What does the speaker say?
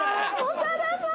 長田さん！